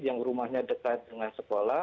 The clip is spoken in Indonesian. yang rumahnya dekat dengan sekolah